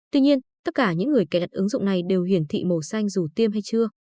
tuy nhiên tất cả những người cài đặt ứng dụng này đều hiển thị màu xanh dù tiêm hay chưa